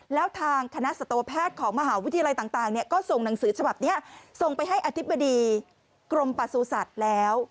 แล้วทางคณะสัตวแพทย์ของมหาวิทยาลัยต่างก็ส่งหนังสือฉบับนี้ส่งไปให้อธิบดีกรมประสุทธิ์แล้ว